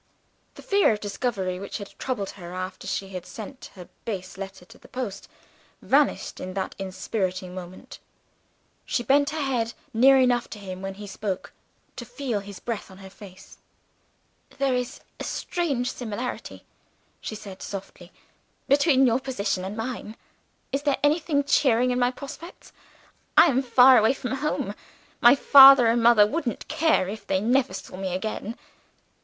The fear of discovery which had troubled her after she had sent her base letter to the post, vanished at that inspiriting moment. She bent her head near enough to him when he spoke to feel his breath on her face. "There is a strange similarity," she said softly, "between your position and mine. Is there anything cheering in my prospects? I am far away from home my father and mother wouldn't care if they never saw me again.